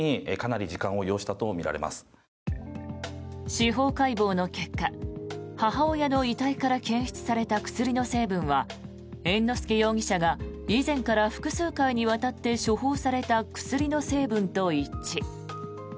司法解剖の結果母親の遺体から検出された薬の成分は猿之助容疑者が、以前から複数回にわたって処方された薬の成分と一致。